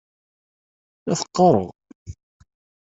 La t-qqareɣ.